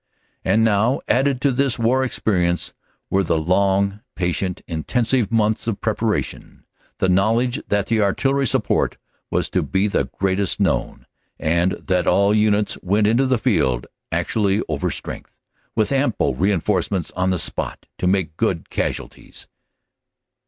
And now added to this war experience were the long patient intensive months of preparation; the knowledge that the artillery support was to be the greatest known; and that all units went into the field actually over strength, with ample reinforcements on the spot to make good casualties.